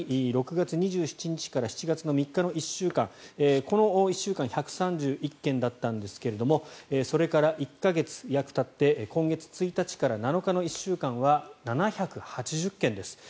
６月２７日から先月３日の１週間は１３１件だったんですがそれから１か月たって今月１日から７日の１週間は７８０件です。